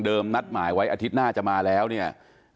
นัดหมายไว้อาทิตย์หน้าจะมาแล้วเนี่ย